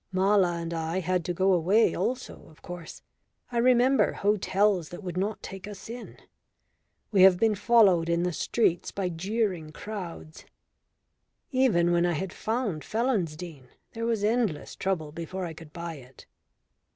Mala and I had to go away also, of course. I remember hotels that would not take us in. We have been followed in the streets by jeering crowds. Even when I had found Felonsdene there was endless trouble before I could buy it.